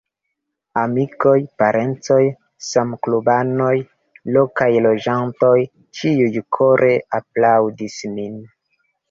Amikoj, parencoj, samklubanoj, lokaj loĝantoj, ĉiuj kore aplaŭdis min.